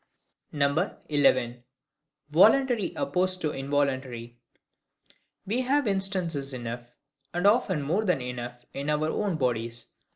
11. Voluntary opposed to involuntary. We have instances enough, and often more than enough, in our own bodies.